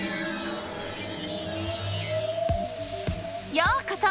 ようこそ！